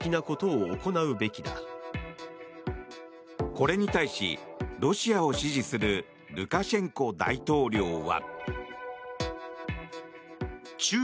これに対し、ロシアを支持するルカシェンコ大統領は。